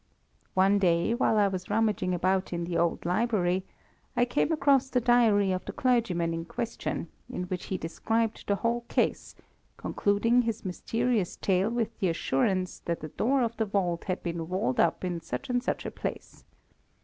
One day, while I was rummaging about in the old library, I came across the diary of the clergyman in question, in which he described the whole case, concluding his mysterious tale with the assurance that the door of the vault had been walled up in such and such a place.